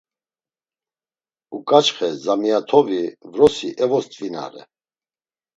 Uǩaçxe Zamiyatovi vrosi evost̆vinare.